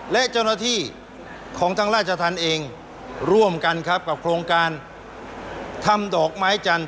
และเจ้าหน้าที่ของทางราชธรรมเองร่วมกันครับกับโครงการทำดอกไม้จันท